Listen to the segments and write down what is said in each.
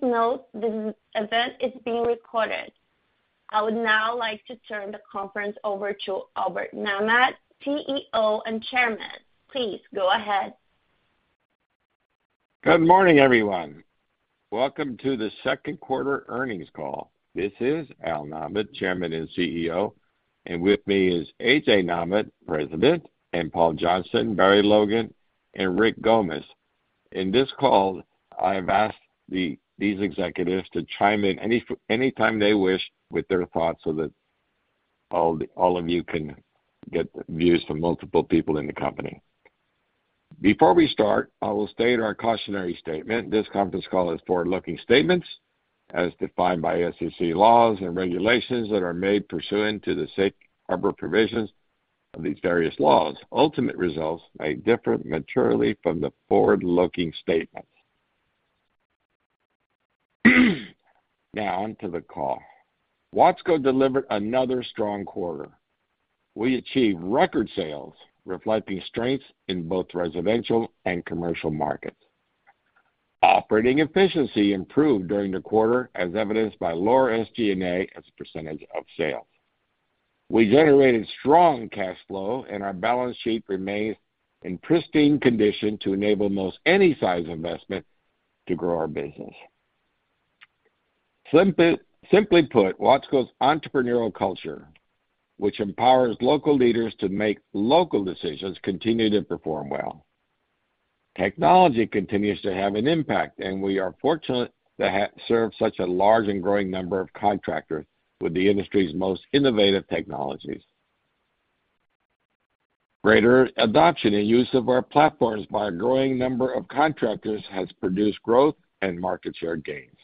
Please note, this event is being recorded. I would now like to turn the conference over to Albert Nahmad, CEO and Chairman. Please go ahead. Good morning, everyone. Welcome to the second quarter earnings call. This is Al Nahmad, Chairman and CEO, and with me is A.J. Nahmad, President, and Paul Johnston, Barry Logan, and Rick Gomez. In this call, I have asked these executives to chime in any time they wish with their thoughts so that all of you can get views from multiple people in the company. Before we start, I will state our cautionary statement. This conference call is forward-looking statements as defined by SEC laws and regulations that are made pursuant to the safe harbor provisions of these various laws. Ultimate results may differ materially from the forward-looking statements. Now, on to the call. Watsco delivered another strong quarter. We achieved record sales, reflecting strengths in both residential and commercial markets. Operating efficiency improved during the quarter, as evidenced by lower SG&A as a percentage of sales. We generated strong cash flow, and our balance sheet remains in pristine condition to enable most any size investment to grow our business. Simply put, Watsco's entrepreneurial culture, which empowers local leaders to make local decisions, continue to perform well. Technology continues to have an impact, and we are fortunate to have served such a large and growing number of contractors with the industry's most innovative technologies. Greater adoption and use of our platforms by a growing number of contractors has produced growth and market share gains.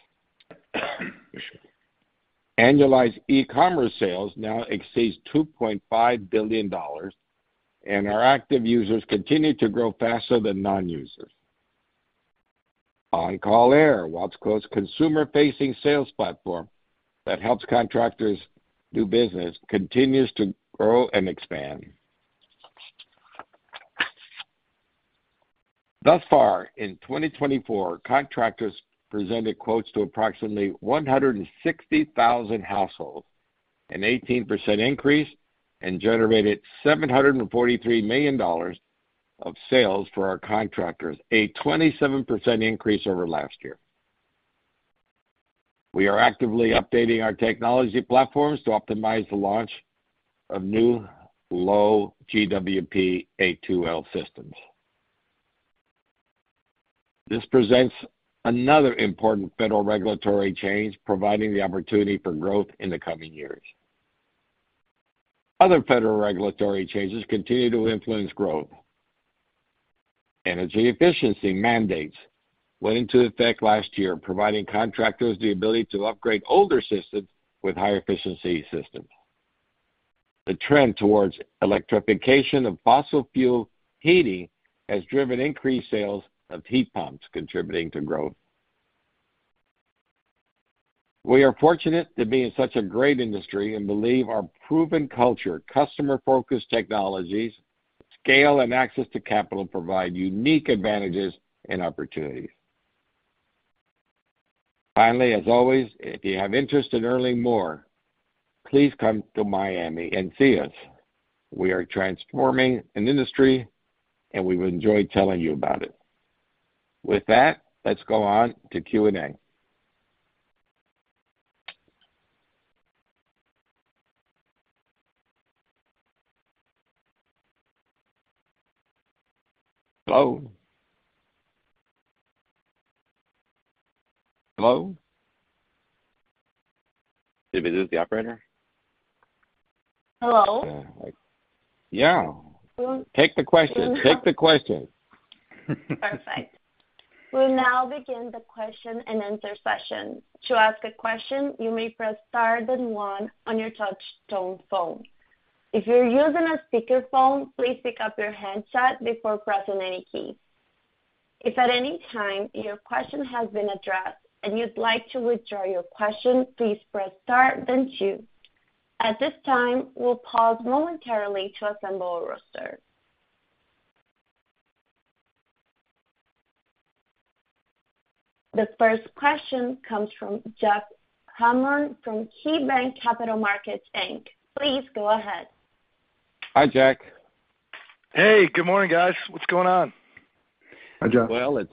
Annualized e-commerce sales now exceeds $2.5 billion, and our active users continue to grow faster than non-users. OnCall Air, Watsco's consumer-facing sales platform that helps contractors do business, continues to grow and expand. Thus far, in 2024, contractors presented quotes to approximately 160,000 households, an 18% increase, and generated $743 million of sales for our contractors, a 27% increase over last year. We are actively updating our technology platforms to optimize the launch of new low GWP A2L systems. This presents another important federal regulatory change, providing the opportunity for growth in the coming years. Other federal regulatory changes continue to influence growth. Energy efficiency mandates went into effect last year, providing contractors the ability to upgrade older systems with higher efficiency systems. The trend towards electrification of fossil fuel heating has driven increased sales of heat pumps, contributing to growth. We are fortunate to be in such a great industry and believe our proven culture, customer-focused technologies, scale, and access to capital provide unique advantages and opportunities. Finally, as always, if you have interest in learning more, please come to Miami and see us. We are transforming an industry, and we would enjoy telling you about it. With that, let's go on to Q&A. Hello? Hello? Did we lose the operator? Hello. Yeah, take the question. Take the question. Perfect. We'll now begin the question-and-answer session. To ask a question, you may press star then one on your touch tone phone. If you're using a speakerphone, please pick up your handset before pressing any keys. If at any time your question has been addressed and you'd like to withdraw your question, please press star then two. At this time, we'll pause momentarily to assemble a roster. The first question comes from Jack Hummel from KeyBanc Capital Markets Inc. Please go ahead. Hi, Jack. Hey, good morning, guys. What's going on? Hi, Jack. Well,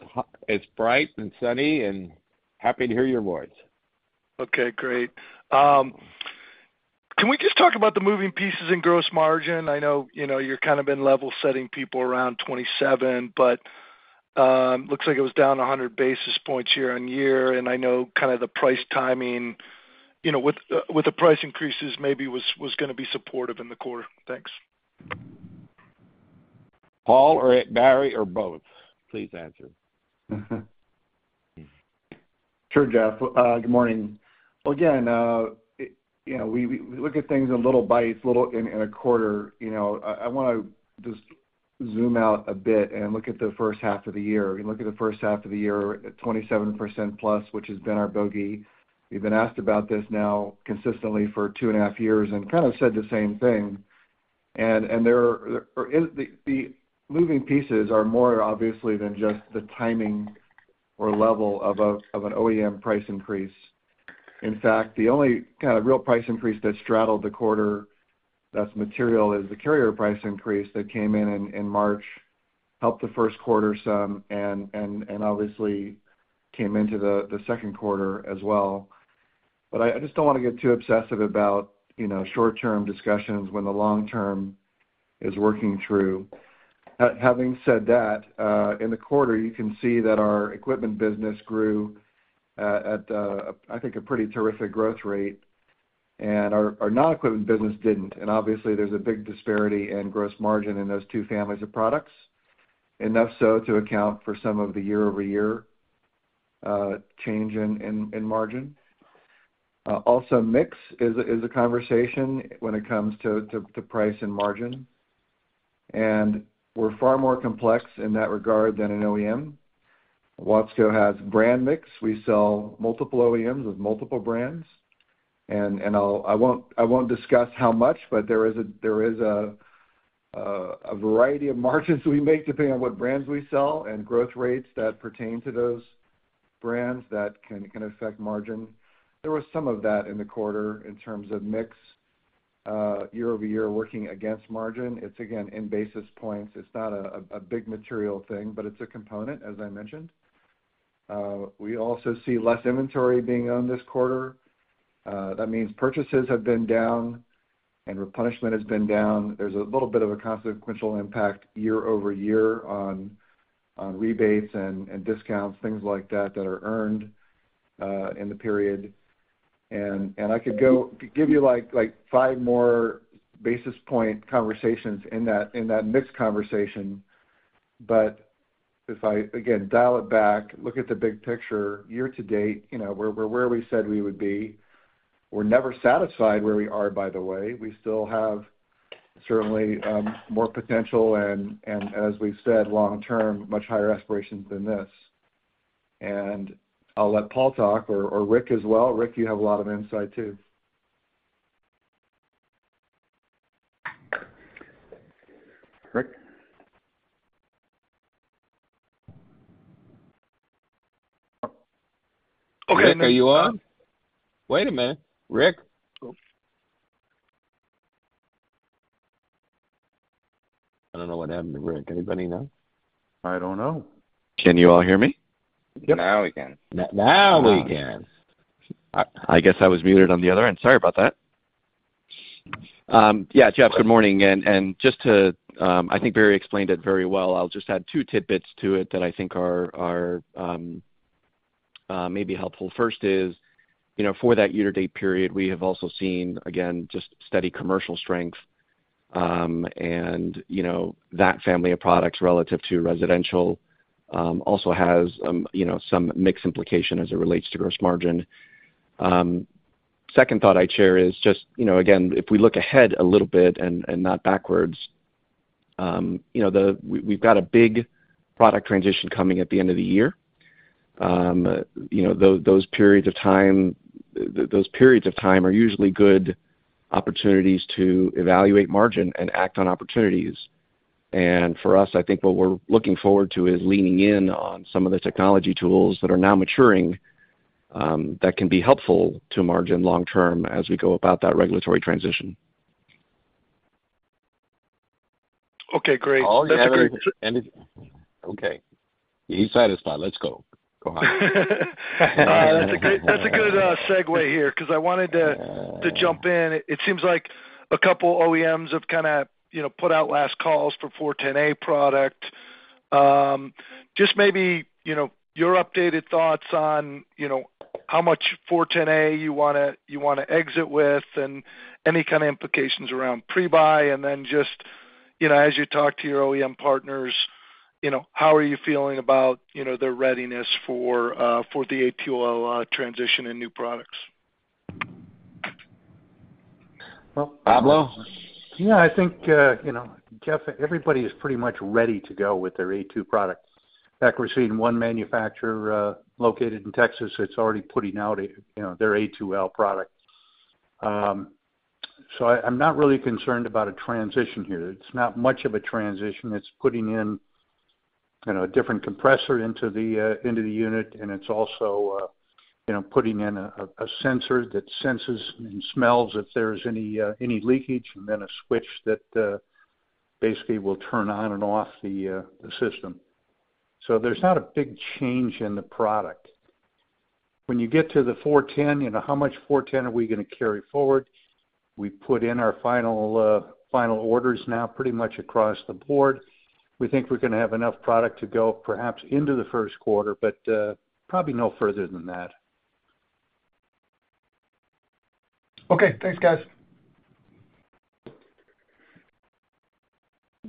it's bright and sunny and happy to hear your voice. Okay, great. Can we just talk about the moving pieces in gross margin? I know, you know, you're kind of been level setting people around 27, but, looks like it was down 100 basis points year-on-year, and I know kind of the price timing, you know, with, with the price increases maybe was, was gonna be supportive in the quarter. Thanks. Paul or Barry or both, please answer. Sure, Jeff. Good morning. Again, you know, we look at things in little bites, little in a quarter. You know, I wanna just zoom out a bit and look at the first half of the year. You look at the first half of the year, at 27% plus, which has been our bogey. We've been asked about this now consistently for two and a half years and kind of said the same thing.... And there are, or is, the moving pieces are more obviously than just the timing or level of an OEM price increase. In fact, the only kind of real price increase that straddled the quarter that's material is the Carrier price increase that came in in March, helped the first quarter some and obviously came into the second quarter as well. But I just don't wanna get too obsessive about, you know, short-term discussions when the long term is working through. Having said that, in the quarter, you can see that our equipment business grew at, I think a pretty terrific growth rate, and our non-equipment business didn't. And obviously, there's a big disparity in gross margin in those two families of products, enough so to account for some of the year-over-year change in margin. Also, mix is a conversation when it comes to price and margin, and we're far more complex in that regard than an OEM. Watsco has brand mix. We sell multiple OEMs with multiple brands, and I'll... I won't, I won't discuss how much, but there is a, there is a, a variety of margins we make depending on what brands we sell and growth rates that pertain to those brands that can affect margin. There was some of that in the quarter in terms of mix, year-over-year, working against margin. It's again, in basis points. It's not a, a big material thing, but it's a component, as I mentioned. We also see less inventory being owned this quarter. That means purchases have been down and replenishment has been down. There's a little bit of a consequential impact year-over-year on rebates and discounts, things like that, that are earned in the period. And I could go- give you like, like, five more basis point conversations in that mixed conversation. But if I, again, dial it back, look at the big picture, year to date, you know, we're where we said we would be. We're never satisfied where we are, by the way. We still have certainly more potential, and as we've said, long term, much higher aspirations than this. And I'll let Paul talk, or Rick as well. Rick, you have a lot of insight, too. Rick? Okay, are you on? Wait a minute, Rick. I don't know what happened to Rick. Anybody know? I don't know. Can you all hear me? Now we can. Now we can. I guess I was muted on the other end. Sorry about that. Yeah, Jeff, good morning. And just to, I think Barry explained it very well. I'll just add two tidbits to it that I think are may be helpful. First is, you know, for that year-to-date period, we have also seen, again, just steady commercial strength. And, you know, that family of products relative to residential, also has, you know, some mixed implication as it relates to gross margin. Second thought I'd share is just, you know, again, if we look ahead a little bit and not backwards, you know, the... We've got a big product transition coming at the end of the year. You know, those periods of time are usually good opportunities to evaluate margin and act on opportunities. For us, I think what we're looking forward to is leaning in on some of the technology tools that are now maturing, that can be helpful to margin long term as we go about that regulatory transition. Okay, great. All, yeah, and okay. He's satisfied. Let's go. Go on. That's a good segue here because I wanted to jump in. It seems like a couple OEMs have kind of, you know, put out last calls for R-410A product. Just maybe, you know, your updated thoughts on, you know, how much R-410A you wanna exit with, and any kind of implications around pre-buy. And then just, you know, as you talk to your OEM partners, you know, how are you feeling about, you know, their readiness for the A2L transition and new products? Well, Pablo? Yeah, I think, you know, Jeff, everybody is pretty much ready to go with their A2L product. In fact, we're seeing one manufacturer located in Texas that's already putting out, you know, their A2L product. So I'm not really concerned about a transition here. It's not much of a transition. It's putting in, you know, a different compressor into the unit, and it's also, you know, putting in a sensor that senses and smells if there's any leakage, and then a switch that basically will turn on and off the system. So there's not a big change in the product. When you get to the 410, you know, how much 410 are we gonna carry forward? We put in our final orders now, pretty much across the board. We think we're gonna have enough product to go perhaps into the first quarter, but, probably no further than that. Okay. Thanks, guys.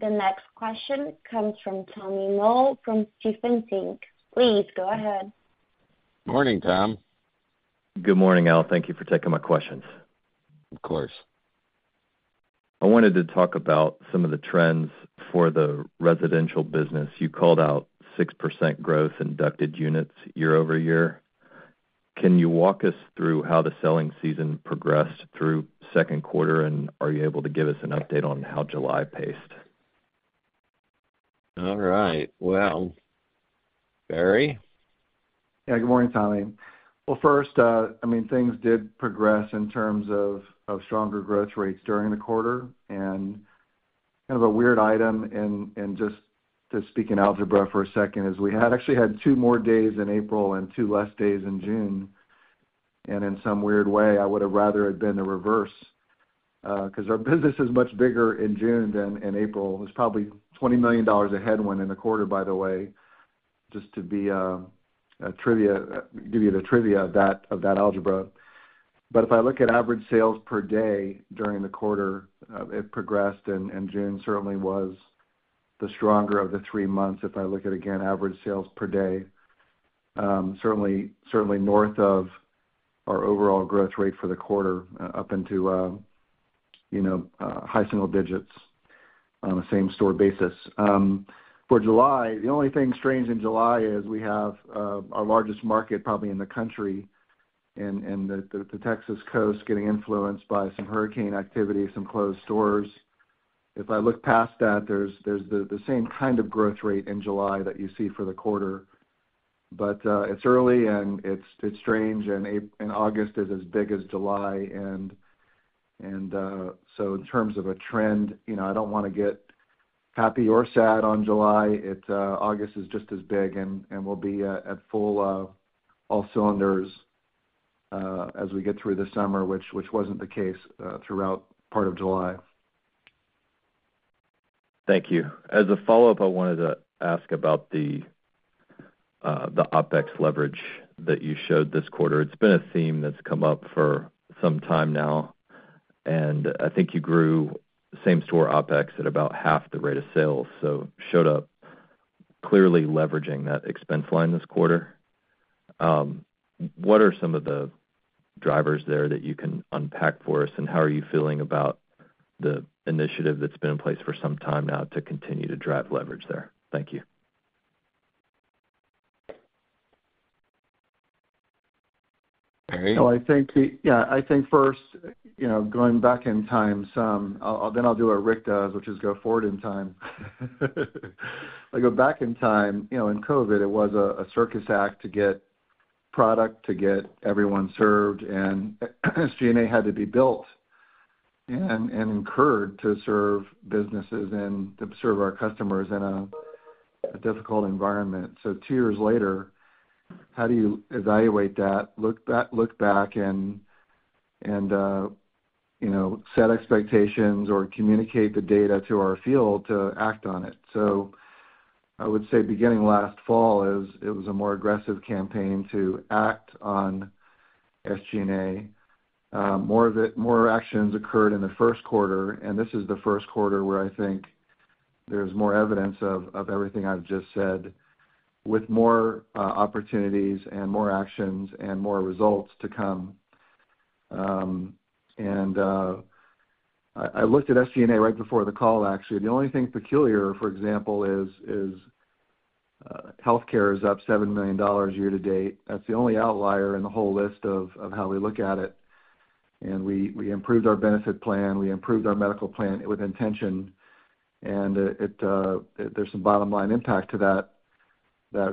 The next question comes from Tommy Moll from Stephens Inc. Please go ahead. Morning, Tom. Good morning, Al. Thank you for taking my questions. Of course. I wanted to talk about some of the trends for the residential business. You called out 6% growth in ducted units year-over-year.... Can you walk us through how the selling season progressed through second quarter? And are you able to give us an update on how July paced? All right. Well, Barry? Yeah, good morning, Tommy. Well, first, I mean, things did progress in terms of stronger growth rates during the quarter, and kind of a weird item, and just to speak in algebra for a second, is we had-actually had 2 more days in April and 2 less days in June. And in some weird way, I would have rather it been the reverse, 'cause our business is much bigger in June than in April. It was probably $20 million ahead win in the quarter, by the way, just to be a trivia-give you the trivia of that algebra. But if I look at average sales per day during the quarter, it progressed, and June certainly was the stronger of the three months. If I look at, again, average sales per day, certainly, certainly north of our overall growth rate for the quarter, up into, you know, high single digits on a same store basis. For July, the only thing strange in July is we have our largest market, probably in the country, in the Texas coast, getting influenced by some hurricane activity, some closed stores. If I look past that, there's the same kind of growth rate in July that you see for the quarter. But, it's early, and it's strange, and August is as big as July. And, so in terms of a trend, you know, I don't wanna get happy or sad on July. August is just as big, and we'll be at full all cylinders as we get through the summer, which wasn't the case throughout part of July. Thank you. As a follow-up, I wanted to ask about the, the OpEx leverage that you showed this quarter. It's been a theme that's come up for some time now, and I think you grew same store OpEx at about half the rate of sales, so showed up clearly leveraging that expense line this quarter. What are some of the drivers there that you can unpack for us, and how are you feeling about the initiative that's been in place for some time now to continue to drive leverage there? Thank you. Barry? So I think yeah, I think first, you know, going back in time some, then I'll do what Rick does, which is go forward in time. I go back in time, you know, in COVID, it was a circus act to get product, to get everyone served, and SG&A had to be built and incurred to serve businesses and to serve our customers in a difficult environment. So two years later, how do you evaluate that, look back and, you know, set expectations or communicate the data to our field to act on it? So I would say, beginning last fall, is it was a more aggressive campaign to act on SG&A. More of it, more actions occurred in the first quarter, and this is the first quarter where I think there's more evidence of everything I've just said, with more opportunities and more actions and more results to come. I looked at SG&A right before the call, actually. The only thing peculiar, for example, is healthcare is up $7 million year to date. That's the only outlier in the whole list of how we look at it. We improved our benefit plan, we improved our medical plan with intention, and there's some bottom line impact to that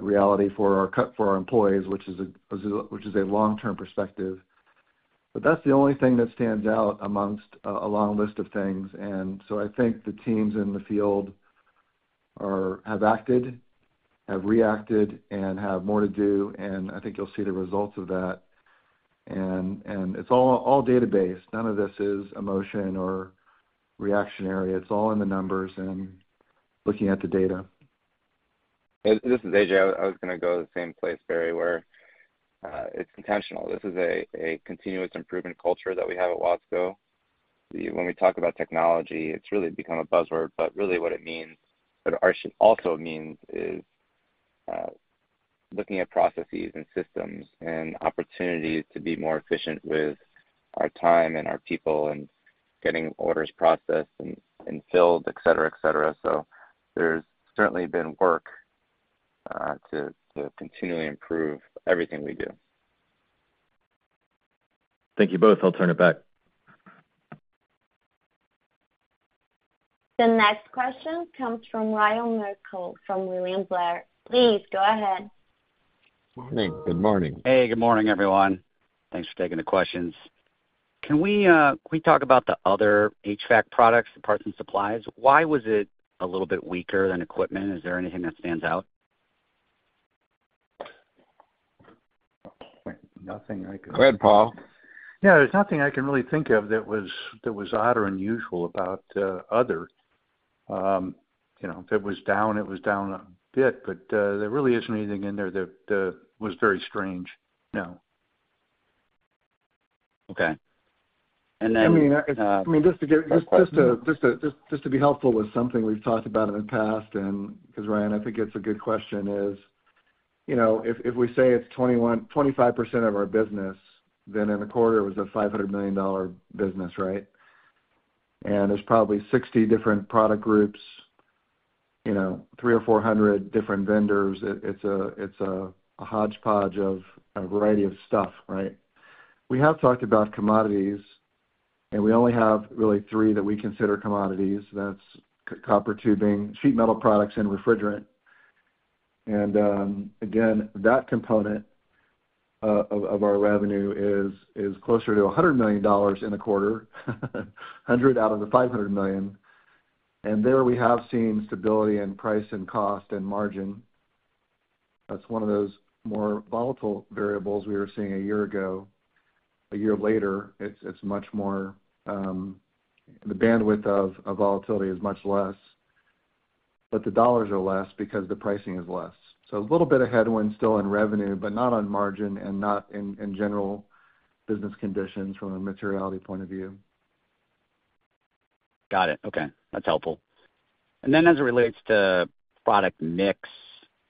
reality for our company, for our employees, which is a long-term perspective. But that's the only thing that stands out amongst a long list of things. And so I think the teams in the field have acted, have reacted, and have more to do, and I think you'll see the results of that. And it's all data-based. None of this is emotion or reactionary. It's all in the numbers and looking at the data. This is A.J. I was gonna go to the same place, Barry, where it's intentional. This is a continuous improvement culture that we have at Watsco. When we talk about technology, it's really become a buzzword, but really what it means, but it also means is looking at processes and systems and opportunities to be more efficient with our time and our people and getting orders processed and filled, et cetera, et cetera. So there's certainly been work to continually improve everything we do. Thank you both. I'll turn it back. The next question comes from Ryan Merkel, from William Blair. Please go ahead. Good morning. Hey, good morning, everyone. Thanks for taking the questions. Can we, can we talk about the other HVAC products, parts and supplies? Why was it a little bit weaker than equipment? Is there anything that stands out? Nothing I can- Go ahead, Paul. Yeah, there's nothing I can really think of that was, that was odd or unusual about other. You know, if it was down, it was down a bit, but there really isn't anything in there that was very strange. No. Okay. And then, I mean, just to be helpful with something we've talked about in the past, and because, Ryan, I think it's a good question, you know, if we say it's 21-25% of our business, then in a quarter, it was a $500 million business, right? And there's probably 60 different product groups. You know, 300-400 different vendors. It's a hodgepodge of a variety of stuff, right? We have talked about commodities, and we only have really three that we consider commodities. That's copper tubing, sheet metal products, and refrigerant. Again, that component of our revenue is closer to $100 million in a quarter, 100 out of the $500 million, and there we have seen stability in price and cost and margin. That's one of those more volatile variables we were seeing a year ago. A year later, it's much more the bandwidth of volatility is much less, but the dollars are less because the pricing is less. So a little bit of headwind still in revenue, but not on margin and not in general business conditions from a materiality point of view. Got it. Okay, that's helpful. And then as it relates to product mix,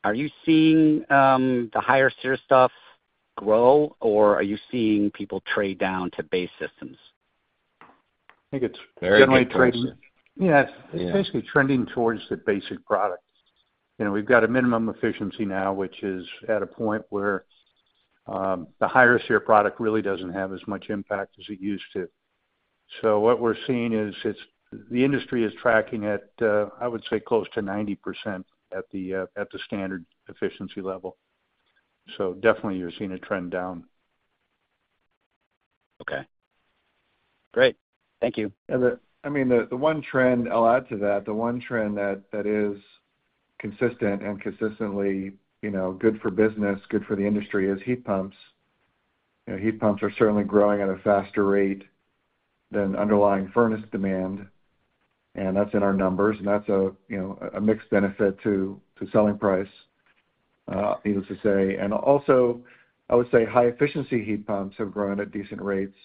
are you seeing the higher SEER stuff grow, or are you seeing people trade down to base systems? I think it's- Very generally trade- Yeah. Yeah. It's basically trending towards the basic product. You know, we've got a minimum efficiency now, which is at a point where the higher SEER product really doesn't have as much impact as it used to. So what we're seeing is, the industry is tracking at, I would say close to 90% at the standard efficiency level. So definitely you're seeing a trend down. Okay. Great. Thank you. I mean, the one trend I'll add to that, the one trend that is consistent and consistently, you know, good for business, good for the industry, is heat pumps. You know, heat pumps are certainly growing at a faster rate than underlying furnace demand, and that's in our numbers, and that's a, you know, a mixed benefit to selling price, needless to say. And also, I would say high efficiency heat pumps have grown at decent rates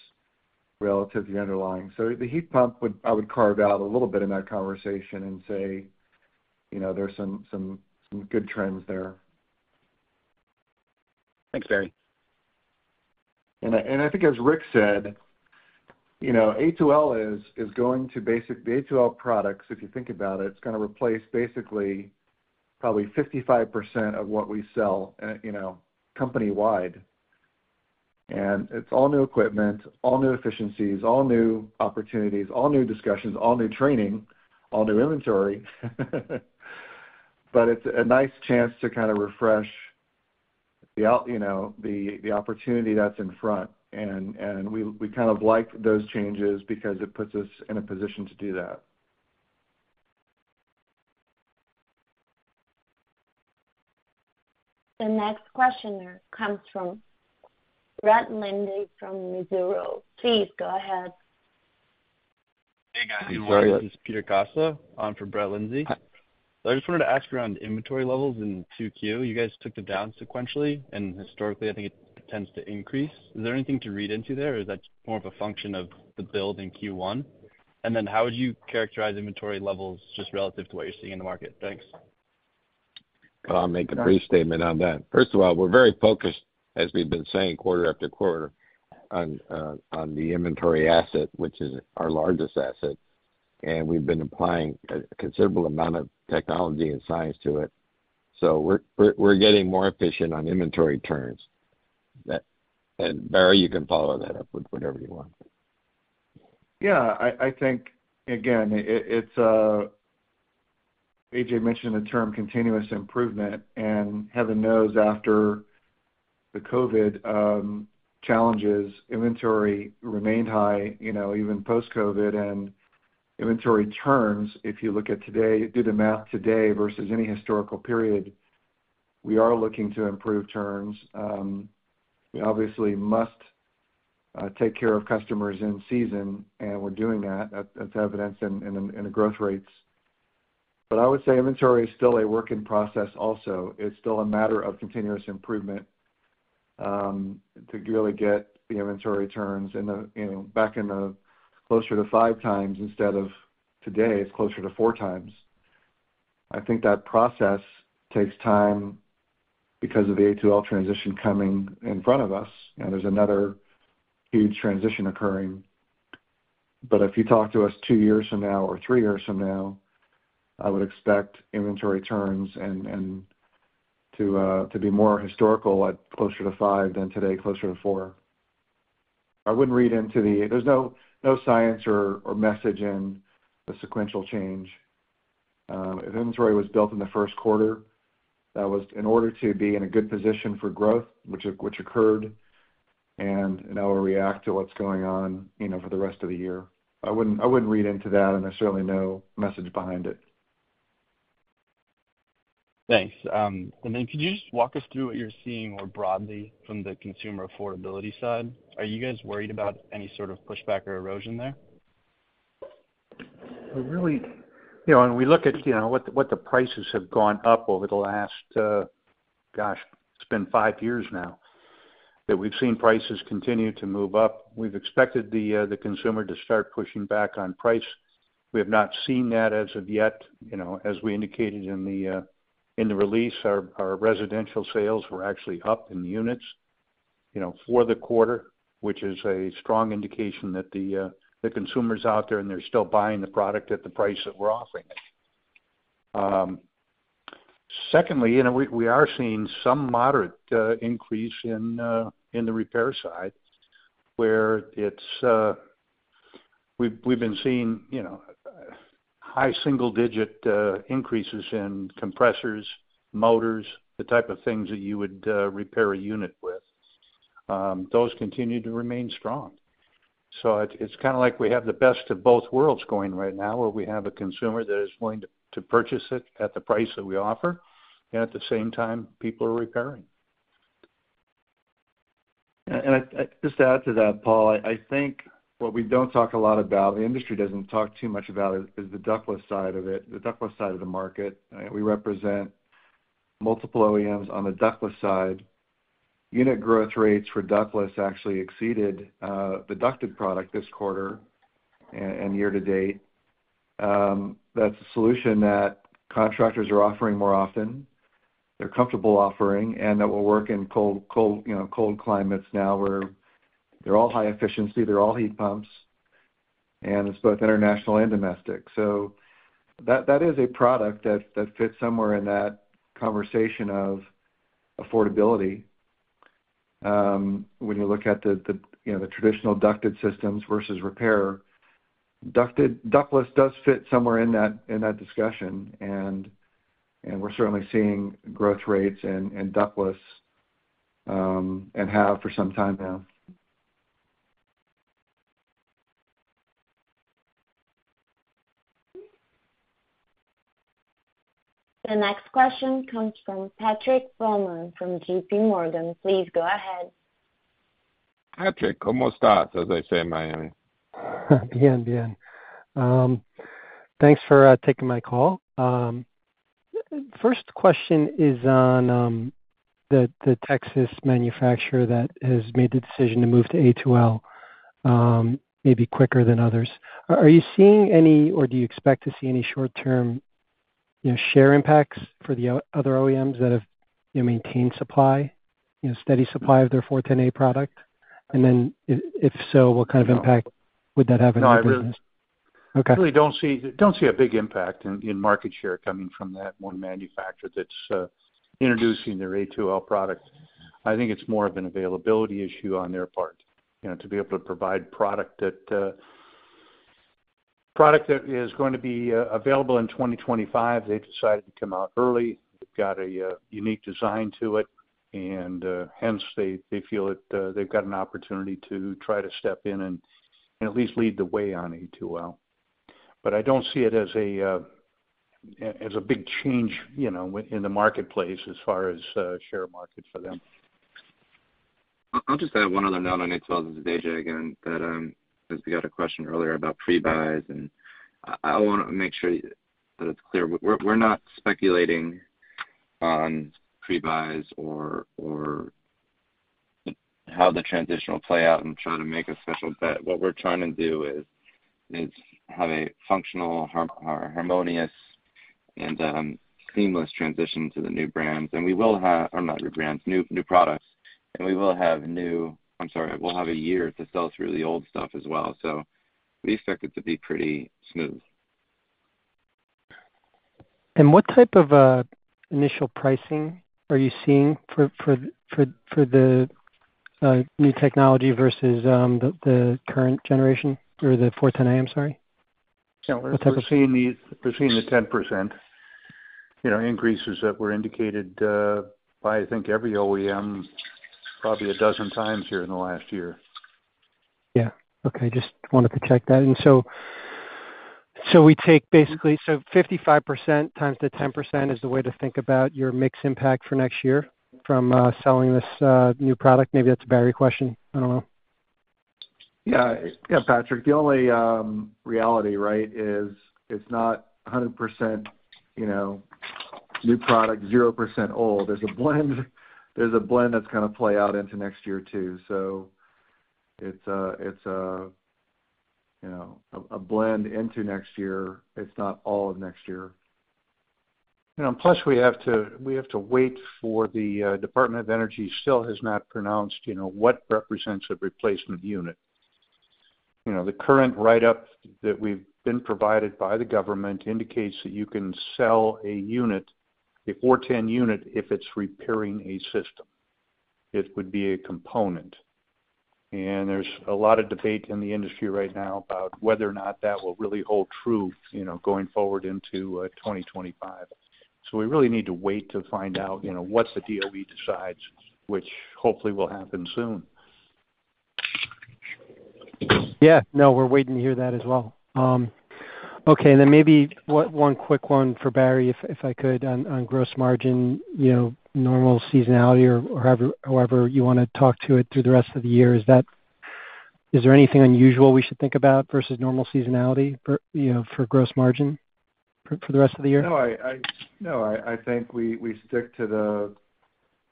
relative to the underlying. The heat pump would, I would carve out a little bit in that conversation and say, you know, there's some good trends there. Thanks, Barry. I think as Rick said, you know, A2L is going to basically the A2L products, if you think about it, it's gonna replace basically, probably 55% of what we sell, you know, company wide. It's all new equipment, all new efficiencies, all new opportunities, all new discussions, all new training, all new inventory. But it's a nice chance to kind of refresh the opportunity that's in front, and we kind of like those changes because it puts us in a position to do that. The next questioner comes from Brett Linzey from Mizuho. Please go ahead. Hey, guys. Hey, sorry- This is Peter Casa on for Brett Linzey. Hi. So I just wanted to ask around inventory levels in 2Q. You guys took them down sequentially, and historically, I think it tends to increase. Is there anything to read into there, or is that more of a function of the build in Q1? And then how would you characterize inventory levels just relative to what you're seeing in the market? Thanks. I'll make a brief statement on that. First of all, we're very focused, as we've been saying quarter after quarter, on the inventory asset, which is our largest asset, and we've been applying a considerable amount of technology and science to it. So we're getting more efficient on inventory terms. That and, Barry, you can follow that up with whatever you want. Yeah, I think, again, it's... A.J. mentioned the term continuous improvement, and heaven knows, after the COVID challenges, inventory remained high, you know, even post-COVID. Inventory turns, if you look at today, do the math today versus any historical period, we are looking to improve turns. We obviously must take care of customers in season, and we're doing that. That's evidenced in the growth rates. But I would say inventory is still a work in process also. It's still a matter of continuous improvement to really get the inventory turns in the, you know, back in the closer to five times instead of today, it's closer to four times. I think that process takes time because of the A2L transition coming in front of us, and there's another huge transition occurring. But if you talk to us two years from now or three years from now, I would expect inventory turns and to be more historical, at closer to five than today, closer to four. I wouldn't read into the... There's no science or message in the sequential change. Inventory was built in the first quarter. That was in order to be in a good position for growth, which occurred, and now we react to what's going on, you know, for the rest of the year. I wouldn't read into that, and there's certainly no message behind it. Thanks. And then could you just walk us through what you're seeing more broadly from the consumer affordability side? Are you guys worried about any sort of pushback or erosion there? We really, you know, when we look at, you know, what the, what the prices have gone up over the last, gosh, it's been five years now, that we've seen prices continue to move up. We've expected the consumer to start pushing back on price. We have not seen that as of yet. You know, as we indicated in the release, our residential sales were actually up in units.... you know, for the quarter, which is a strong indication that the consumer's out there, and they're still buying the product at the price that we're offering it. Secondly, you know, we are seeing some moderate increase in the repair side, where we've been seeing, you know, high single-digit increases in compressors, motors, the type of things that you would repair a unit with. Those continue to remain strong. So it's kind of like we have the best of both worlds going right now, where we have a consumer that is willing to purchase it at the price that we offer, and at the same time, people are repairing. And I just to add to that, Paul, I think what we don't talk a lot about, the industry doesn't talk too much about, is the ductless side of it, the ductless side of the market. We represent multiple OEMs on the ductless side. Unit growth rates for ductless actually exceeded the ducted product this quarter and year to date. That's a solution that contractors are offering more often, they're comfortable offering, and that will work in cold, you know, cold climates now, where they're all high efficiency, they're all heat pumps, and it's both international and domestic. So that is a product that fits somewhere in that conversation of affordability. When you look at the you know the traditional ducted systems versus repaired ducted ductless does fit somewhere in that discussion, and we're certainly seeing growth rates in ductless and have for some time now. The next question comes from Patrick Baumann from J.P. Morgan. Please go ahead. Patrick, ¿cómo estás? As they say in Miami. Bien, bien. Thanks for taking my call. First question is on the Texas manufacturer that has made the decision to move to A2L, maybe quicker than others. Are you seeing any, or do you expect to see any short-term, you know, share impacts for the other OEMs that have, you know, maintained supply, you know, steady supply of their R-410A product? And then if so, what kind of impact would that have on your business? No, I really- Okay. I really don't see a big impact in market share coming from that one manufacturer that's introducing their A2L product. I think it's more of an availability issue on their part, you know, to be able to provide product that is going to be available in 2025. They decided to come out early. They've got a unique design to it, and hence they feel that they've got an opportunity to try to step in and at least lead the way on A2L. But I don't see it as a big change, you know, in the marketplace as far as share market for them. I'll just add one other note on A2L. This is A.J. again, as we got a question earlier about pre-buys, and I wanna make sure that it's clear. We're not speculating on pre-buys or how the transition will play out and try to make a special bet. What we're trying to do is have a functional, harmonious and seamless transition to the new brands. And we will have... Or not new brands, new products. And we will have new. I'm sorry, we'll have a year to sell through the old stuff as well. So we expect it to be pretty smooth. What type of initial pricing are you seeing for the new technology versus the current generation or the R-410A, I'm sorry? Yeah. What type of- We're seeing the 10%, you know, increases that were indicated by, I think, every OEM, probably a dozen times here in the last year. Yeah. Okay, just wanted to check that. And so we take basically 55% times the 10% is the way to think about your mix impact for next year from selling this new product? Maybe that's a Barry question. I don't know. Yeah. Yeah, Patrick. The only, reality, right, is it's not 100%, you know, new product, 0% old. There's a blend, there's a blend that's gonna play out into next year, too. So it's a, it's a, you know, a, a blend into next year. It's not all of next year. You know, plus, we have to wait for the Department of Energy. It still has not pronounced, you know, what represents a replacement unit. You know, the current write-up that we've been provided by the government indicates that you can sell a unit, a 410 unit, if it's repairing a system. It would be a component. And there's a lot of debate in the industry right now about whether or not that will really hold true, you know, going forward into 2025. So we really need to wait to find out, you know, what the DOE decides, which hopefully will happen soon. Yeah. No, we're waiting to hear that as well. Okay, then maybe one quick one for Barry, if I could, on gross margin, you know, normal seasonality or however you wanna talk to it through the rest of the year. Is there anything unusual we should think about versus normal seasonality for, you know, for gross margin for the rest of the year? No, I think we stick to the,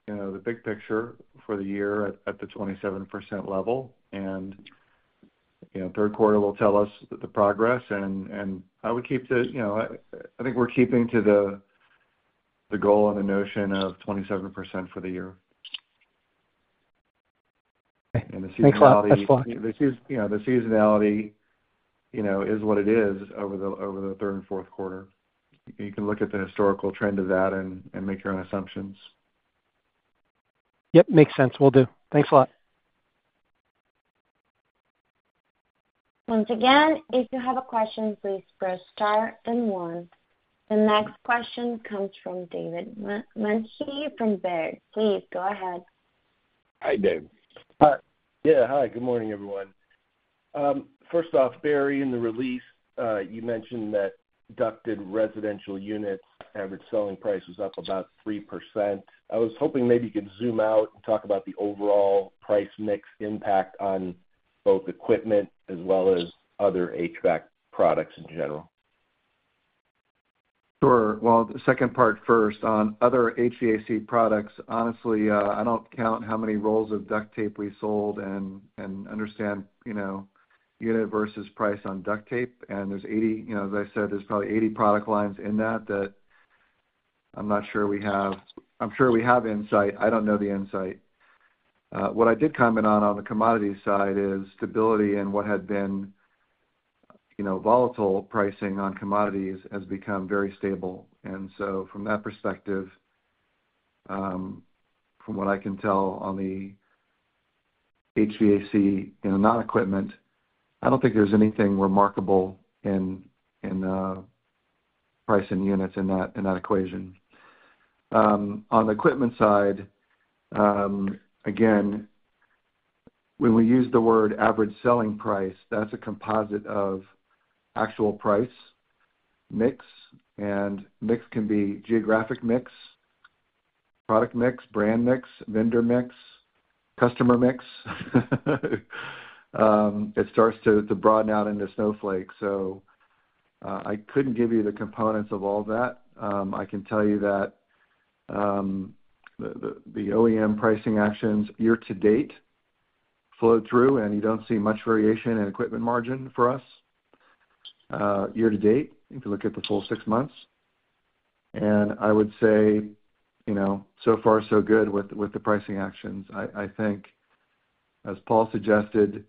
you know, the big picture for the year at the 27% level. And, you know, third quarter will tell us the progress, and I would keep the, you know, I think we're keeping to the the goal and the notion of 27% for the year. And the seasonality- Thanks a lot. You know, the seasonality, you know, is what it is over the third and fourth quarter. You can look at the historical trend of that and make your own assumptions. Yep, makes sense. Will do. Thanks a lot. Once again, if you have a question, please press star and one. The next question comes from David Manthey from Baird. Please go ahead. Hi, Dave. Yeah, hi, good morning, everyone. First off, Barry, in the release, you mentioned that ducted residential units average selling price is up about 3%. I was hoping maybe you could zoom out and talk about the overall price mix impact on both equipment as well as other HVAC products in general. Sure. Well, the second part first. On other HVAC products, honestly, I don't count how many rolls of duct tape we sold and understand, you know, unit versus price on duct tape. And there's 80, you know, as I said, there's probably 80 product lines in that I'm not sure we have. I'm sure we have insight. I don't know the insight. What I did comment on the commodity side is stability and what had been, you know, volatile pricing on commodities has become very stable. And so from that perspective, from what I can tell on the HVAC, you know, not equipment, I don't think there's anything remarkable in price and units in that equation. On the equipment side, again, when we use the word average selling price, that's a composite of actual price, mix, and mix can be geographic mix, product mix, brand mix, vendor mix, customer mix. It starts to broaden out into snowflake. So, I couldn't give you the components of all that. I can tell you that the OEM pricing actions year to date flow through, and you don't see much variation in equipment margin for us, year to date, if you look at the full six months. I would say, you know, so far so good with the pricing actions. I think, as Paul suggested,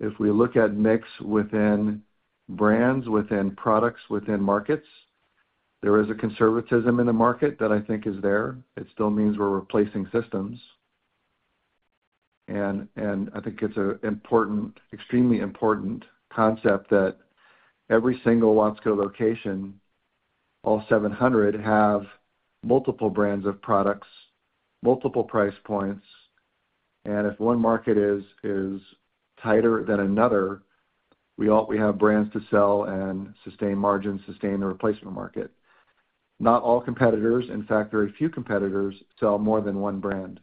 if we look at mix within brands, within products, within markets, there is a conservatism in the market that I think is there. It still means we're replacing systems. I think it's an important, extremely important concept that every single Watsco location, all 700, have multiple brands of products, multiple price points, and if one market is tighter than another, we have brands to sell and sustain margins, sustain the replacement market. Not all competitors, in fact, very few competitors, sell more than one brand.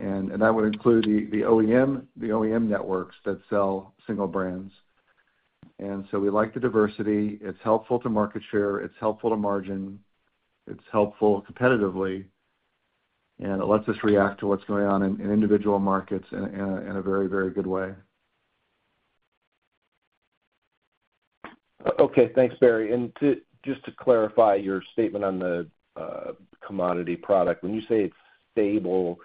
And that would include the OEM, the OEM networks that sell single brands. And so we like the diversity. It's helpful to market share, it's helpful to margin, it's helpful competitively, and it lets us react to what's going on in individual markets in a very, very good way. Okay. Thanks, Barry. And just to clarify your statement on the commodity product, when you say it's stable,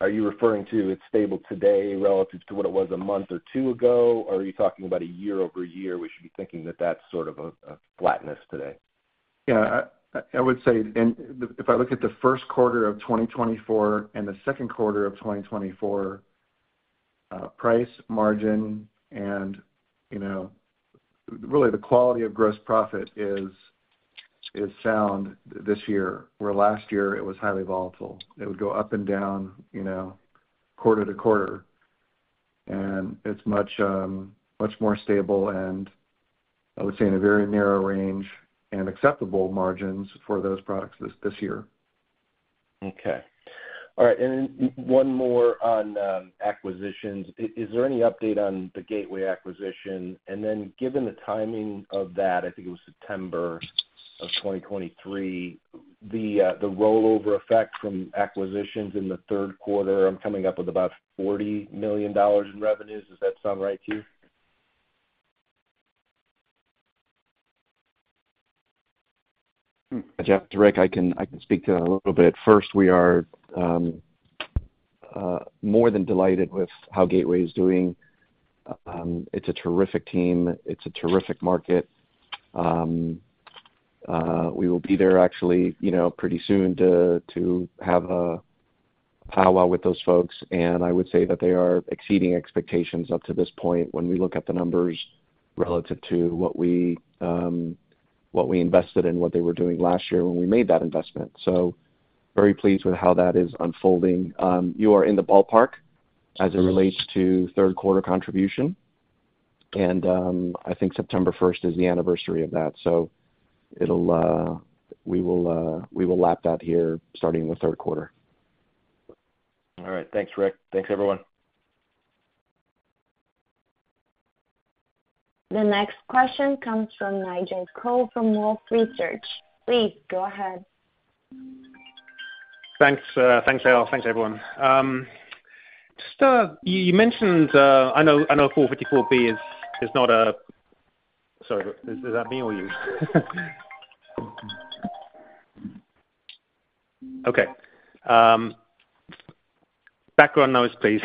are you referring to it's stable today relative to what it was a month or two ago? Or are you talking about a year-over-year, we should be thinking that that's sort of a flatness today? Yeah, I would say, and if I look at the first quarter of 2024 and the second quarter of 2024, price, margin, and, you know, really the quality of gross profit is sound this year, where last year it was highly volatile. It would go up and down, you know, quarter to quarter, and it's much more stable and I would say in a very narrow range and acceptable margins for those products this year. Okay. All right, and then one more on acquisitions. Is there any update on the Gateway acquisition? And then given the timing of that, I think it was September of 2023, the rollover effect from acquisitions in the third quarter, I'm coming up with about $40 million in revenues. Does that sound right to you? Yeah, Rick, I can, I can speak to that a little bit. First, we are more than delighted with how Gateway is doing. It's a terrific team. It's a terrific market. We will be there actually, you know, pretty soon to have a powwow with those folks, and I would say that they are exceeding expectations up to this point when we look at the numbers relative to what we what we invested and what they were doing last year when we made that investment. So very pleased with how that is unfolding. You are in the ballpark as it relates to third quarter contribution, and I think September first is the anniversary of that. So it'll we will we will lap that here starting in the third quarter. All right. Thanks, Rick. Thanks, everyone. The next question comes from Nigel Coe from Wolfe Research. Please go ahead.... Thanks, thanks, Al. Thanks, everyone. Just, you mentioned, I know, I know R-454B is not a- Sorry, is that me or you? Okay. Background noise, please.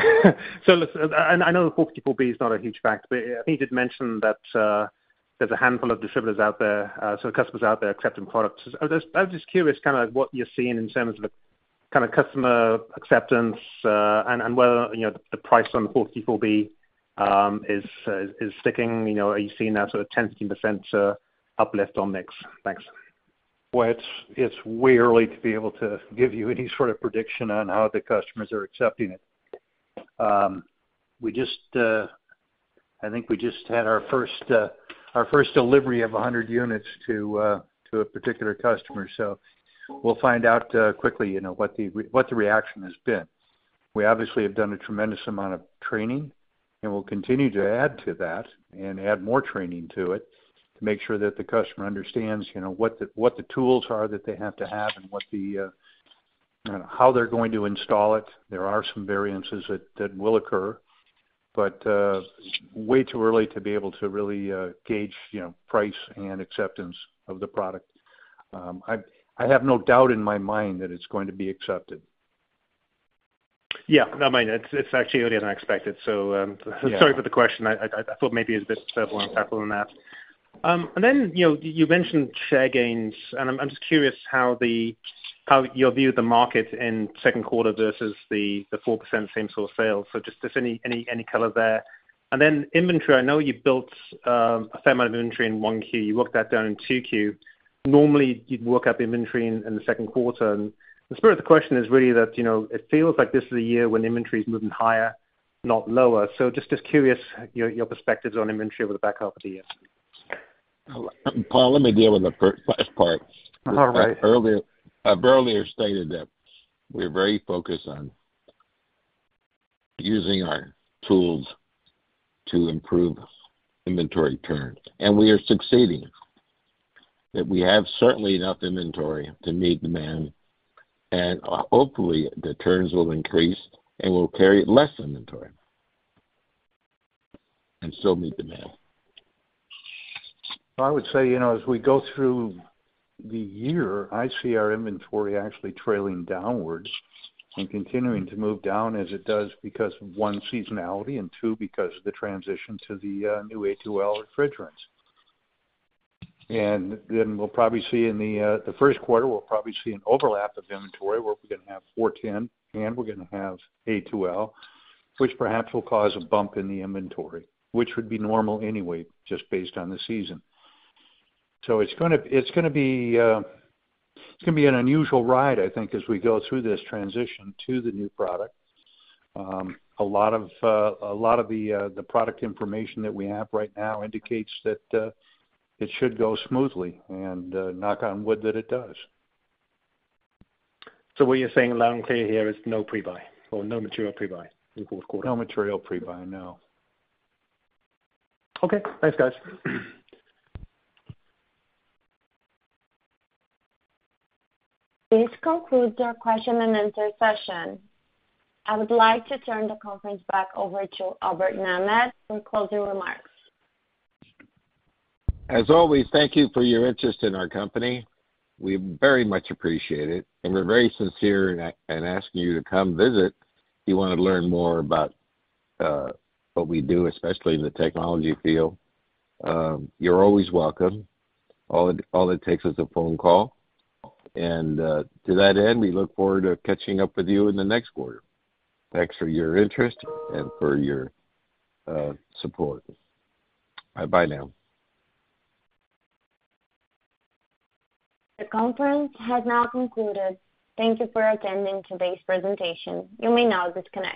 So listen, I, and I know the R-454B is not a huge factor, but I think you did mention that, there's a handful of distributors out there, so customers out there accepting products. I was just, I was just curious kind of what you're seeing in terms of the kind of customer acceptance, and, and whether, you know, the price on R-454B, is, is sticking. You know, are you seeing that sort of 10%-15% uplift on mix? Thanks. Well, it's way early to be able to give you any sort of prediction on how the customers are accepting it. We just, I think we just had our first, our first delivery of 100 units to a particular customer, so we'll find out quickly, you know, what the reaction has been. We obviously have done a tremendous amount of training, and we'll continue to add to that and add more training to it, to make sure that the customer understands, you know, what the tools are that they have to have and how they're going to install it. There are some variances that will occur, but way too early to be able to really gauge, you know, price and acceptance of the product. I have no doubt in my mind that it's going to be accepted. Yeah. No, I mean, it's actually earlier than I expected. So, Yeah. Sorry for the question. I thought maybe it was a bit simple and tackle on that. And then, you know, you mentioned share gains, and I'm just curious how the, how your view of the market in second quarter versus the 4% same store sales, so just if any color there? And then inventory, I know you built a fair amount of inventory in 1Q. You worked that down in 2Q. Normally, you'd work up inventory in the second quarter. And the spirit of the question is really that, you know, it feels like this is a year when inventory is moving higher, not lower. So just curious, your perspectives on inventory over the back half of the year. Paul, let me deal with the first last part. All right. Earlier, I've stated that we're very focused on using our tools to improve inventory turns, and we are succeeding. That we have certainly enough inventory to meet demand, and hopefully, the turns will increase, and we'll carry less inventory, and still meet demand. I would say, you know, as we go through the year, I see our inventory actually trailing downwards and continuing to move down as it does, because 1, seasonality, and 2, because of the transition to the new A2L refrigerants. And then we'll probably see in the first quarter, we'll probably see an overlap of inventory, where we're gonna have 410, and we're gonna have A2L, which perhaps will cause a bump in the inventory, which would be normal anyway, just based on the season. So it's gonna, it's gonna be, it's gonna be an unusual ride, I think, as we go through this transition to the new product. A lot of, a lot of the product information that we have right now indicates that it should go smoothly and, knock on wood, that it does. So what you're saying, loud and clear here is no pre-buy or no material pre-buy in fourth quarter? No material pre-buy, no. Okay. Thanks, guys. This concludes our question and answer session. I would like to turn the conference back over to Albert Nahmad for closing remarks. As always, thank you for your interest in our company. We very much appreciate it, and we're very sincere in asking you to come visit. If you want to learn more about what we do, especially in the technology field, you're always welcome. All it takes is a phone call, and to that end, we look forward to catching up with you in the next quarter. Thanks for your interest and for your support. Bye now. The conference has now concluded. Thank you for attending today's presentation. You may now disconnect.